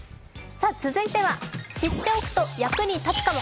続いては知っておくとと役に立つかも。